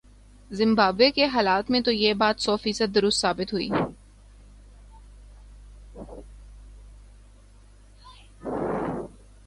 Zimbabwe کے حالات میں تو یہ بات سوفیصد درست ثابت ہوئی۔